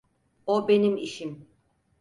O benim işim.